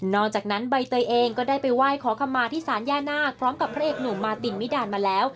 จากนั้นใบเตยเองก็ได้ไปไหว้ขอคำมาที่ศาลย่านาคพร้อมกับพระเอกหนุ่มมาตินมิดานมาแล้ว